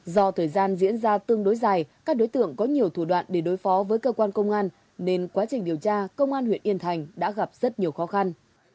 do thời gian diễn ra tương đối dài các đối tượng có nhiều thủ đoạn để đối phó với cơ quan công an nên quá trình điều tra công an huyện yên thành đã gặp rất nhiều khó khăn